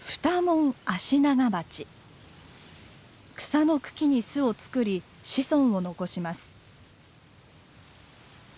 草の茎に巣を作り子孫を残します。